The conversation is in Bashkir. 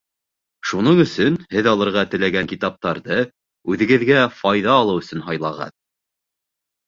Шуның өсөн һеҙ алырға теләгән китаптарҙы үҙегеҙгә файҙа алыу өсөн һайлағыҙ.